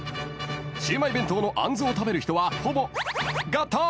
シューマイ弁当のアンズを食べる人はほぼ○○型？